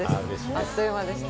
あっと言う間でした。